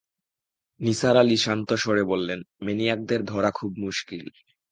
নিসার আলি শান্ত স্বরে বললেন, ম্যানিয়াকদের ধরা খুব মুশকিল।